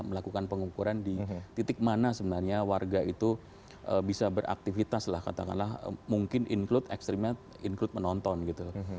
melakukan pengukuran di titik mana sebenarnya warga itu bisa beraktivitas lah katakanlah mungkin include ekstrimnya include menonton gitu